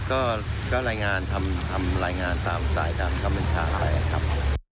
ก็รายงานทำรายงานตามสายการบังคับบัญชาไปครับ